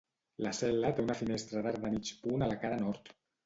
La cel·la té una finestra d'arc de mig punt a la cara nord.